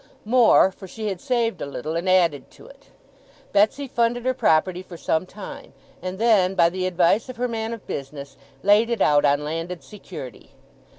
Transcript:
More; for she had saved a little, and added to it. Betsey funded her property for some time, and then, by the advice of her man of business, laid it out on landed security.